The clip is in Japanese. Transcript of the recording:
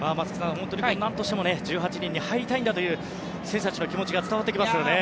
本当になんとしても１８人に入りたいんだという選手たちの気持ちが伝わってきますよね。